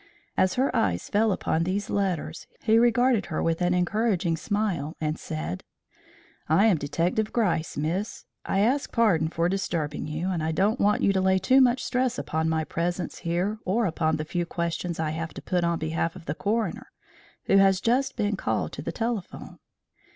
As her eyes fell on these letters he regarded her with an encouraging smile, and said: "I am Detective Gryce, miss. I ask pardon for disturbing you, and I don't want you to lay too much stress upon my presence here or upon the few questions I have to put on behalf of the coroner who has just been called to the telephone.